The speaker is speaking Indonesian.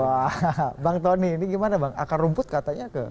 wah bang tony ini gimana bang akar rumput katanya ke